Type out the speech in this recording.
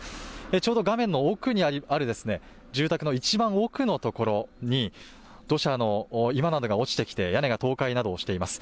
ちょうど画面の奥にある住宅の一番奥の所に、土砂の岩などが落ちてきて、屋根が倒壊などをしています。